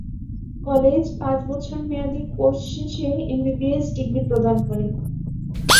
College পাঁচ বছর মেয়াদী কোর্স শেষে এমবিবিএস ডিগ্রি প্রদান করে।